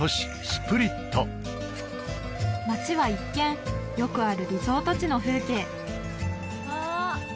スプリット街は一見よくあるリゾート地の風景ああ！